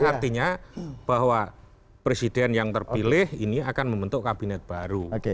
artinya bahwa presiden yang terpilih ini akan membentuk kabinet baru